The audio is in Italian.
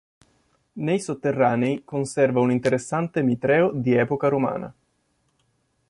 Nei sotterranei conserva un interessante mitreo di epoca romana.